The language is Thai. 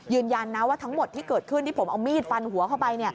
ยืนยันนะว่าทั้งหมดที่เกิดขึ้นที่ผมเอามีดฟันหัวเข้าไป